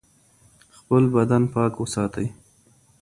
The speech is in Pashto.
خپل بدن پاک وساتئ.